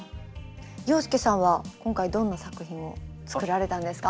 洋輔さんは今回どんな作品を作られたんですか？